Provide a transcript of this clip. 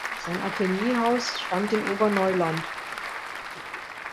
Sein Atelierhaus stand in Oberneuland.